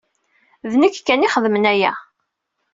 D nekk kan i ixedmen aya.